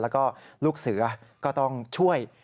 แล้วก็ลูกเสือก็ต้องช่วย